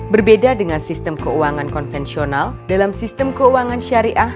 berbeda dengan sistem keuangan konvensional dalam sistem keuangan syariah